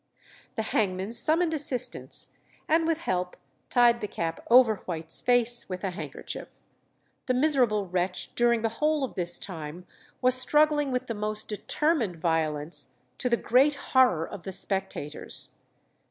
The hangman summoned assistance, and with help tied the cap over White's face with a handkerchief. The miserable wretch during the whole of this time was struggling with the most determined violence, to the great horror of the spectators.